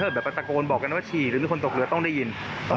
แบบตะโกนบอกกันว่าฉี่หรือมีคนตกเรือต้องได้ยิน